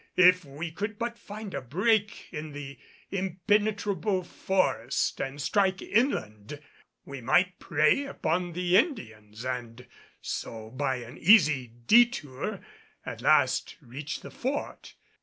If we could but find a break in the impenetrable forest and strike inland we might prey upon the Indians and so by an easy detour at last reach the Fort.